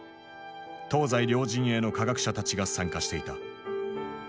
東西両陣営の科学者たちが参加していた。